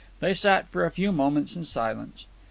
They sat for a few moments in silence.